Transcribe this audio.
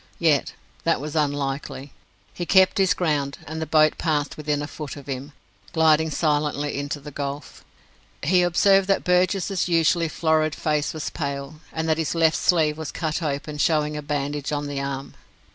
Yet that was unlikely. He kept his ground, and the boat passed within a foot of him, gliding silently into the gulf. He observed that Burgess's usually florid face was pale, and that his left sleeve was cut open, showing a bandage on the arm.